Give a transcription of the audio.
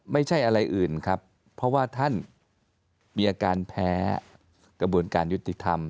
ไม่ใช่อะไรอื่นครับเพราะว่าท่านมีอาการแพ้กระบวนการยุติธรรม